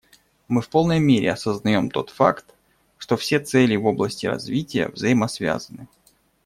Мы в полной мере осознаем тот факт, что все цели в области развития взаимосвязаны.